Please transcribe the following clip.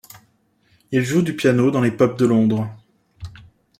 Il joue du piano dans les pubs de Londres.